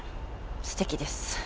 すてきです。